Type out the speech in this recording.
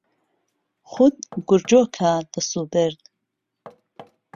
خۆت گورجۆ کە دەس و برد